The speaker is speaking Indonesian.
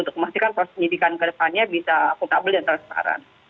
untuk memastikan proses penyidikan ke depannya bisa akuntabel dan transparan